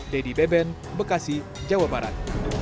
dedy beben bekasi jawa barat